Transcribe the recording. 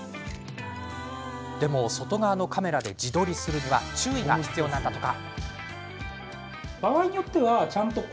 でも、外側のカメラで自撮りするには注意が必要なんだとか。